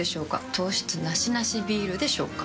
糖質ナシナシビールでしょうか？